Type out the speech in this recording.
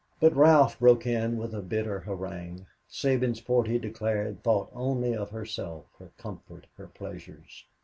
But Ralph broke in with a bitter harangue. Sabinsport, he declared, thought only of herself, her comfort, her pleasures.